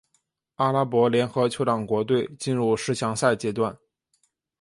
阿拉伯联合酋长国队进入十强赛阶段。